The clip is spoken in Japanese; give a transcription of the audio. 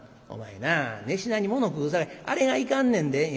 「お前なあ寝しなにもの食うさかいあれがいかんねんで」。